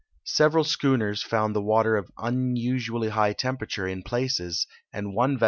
Several schooners found the water of unusually high tempera ture in places, and one ves.